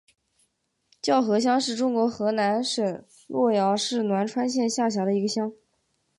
叫河乡是中国河南省洛阳市栾川县下辖的一个乡。